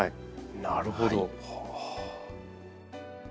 なるほど。